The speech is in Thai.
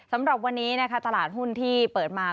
สำหรับวันนี้นะคะตลาดหุ้นที่เปิดมา